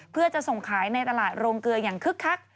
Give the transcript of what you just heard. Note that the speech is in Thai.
เพื่อจะส่งขายในตลาดโรงเกลืออย่างคึกคัก